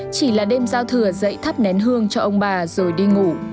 chỉ là đêm giao thừa dậy thắp nén hương cho ông bà rồi đi ngủ